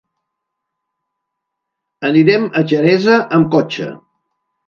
Anirem a Xeresa amb cotxe.